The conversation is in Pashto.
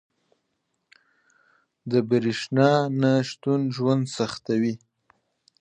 • د برېښنا نه شتون ژوند سختوي.